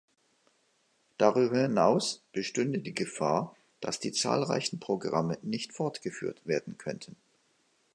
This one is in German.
Darüber hinaus bestünde die Gefahr, dass die zahlreichen Programme nicht fortgeführt werden könnten.